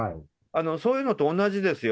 そういうのと同じですよ。